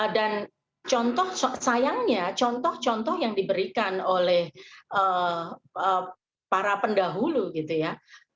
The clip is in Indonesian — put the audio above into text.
dan contoh sayangnya contoh contoh yang diberikan oleh para pendahulu gitu ya